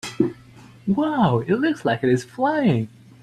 Wow! It looks like it is flying!